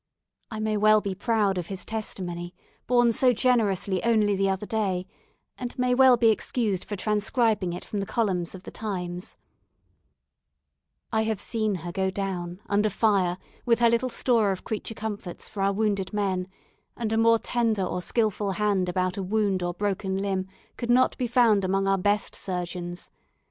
I may well be proud of his testimony, borne so generously only the other day, and may well be excused for transcribing it from the columns of the Times: "I have seen her go down, under fire, with her little store of creature comforts for our wounded men; and a more tender or skilful hand about a wound or broken limb could not be found among our best surgeons.